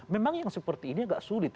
memang yang seperti ini agak sulit